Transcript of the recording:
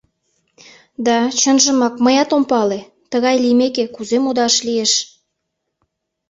Да, чынжымак, мыят ом пале, тыгай лиймеке, кузе модаш лиеш...